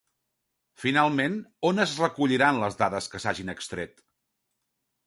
Finalment, on es recolliran les dades que s'hagin extret?